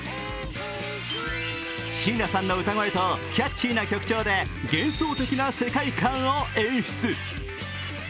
椎名さんの歌声とキャッチーな曲調で幻想的な世界観を演出。